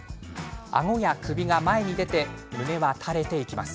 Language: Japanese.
あごや首が前に出て胸は垂れていきます。